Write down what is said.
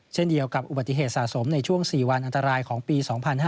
เช่นเดียวกับอุบัติเหตุสะสมในช่วง๔วันอันตรายของปี๒๕๕๙